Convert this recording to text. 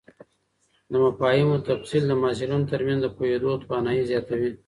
د مفاهیمو تفصیل د محصلینو تر منځ د پوهېدو توانایي زیاتوي.